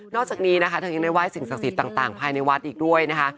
อกจากนี้นะคะเธอยังได้ไห้สิ่งศักดิ์สิทธิ์ต่างภายในวัดอีกด้วยนะคะ